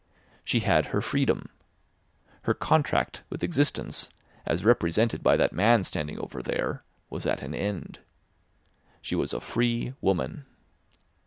She had her freedom. Her contract with existence, as represented by that man standing over there, was at an end. She was a free woman.